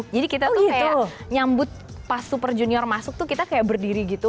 jadi kita tuh kayak nyambut pas super junior masuk tuh kita kayak berdiri gitu